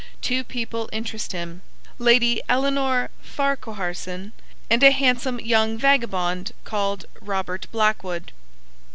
Two people interest him, Lady Ellinor Farquharson and a handsome young vagabond called Robert Blackwood.